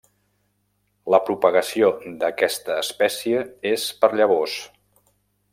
La propagació d'aquesta espècie és per llavors.